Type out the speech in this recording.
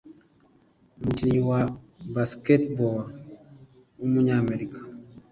umukinnyi wa basketball w’umunyamerika